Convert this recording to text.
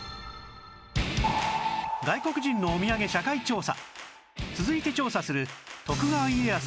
外国人のおみやげ社会調査